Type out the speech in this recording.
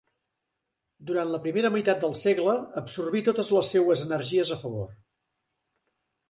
Durant la primera meitat del segle, absorbí totes les seues energies a favor.